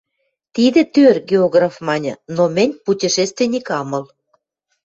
— Тидӹ тӧр, — географ маньы, — но мӹнь путешественник ам ыл.